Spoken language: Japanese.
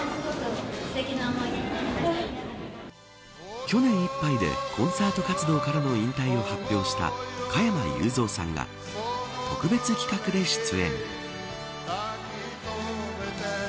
去年いっぱいでコンサート活動からの勇退を発表した加山雄三さんが特別企画で出演。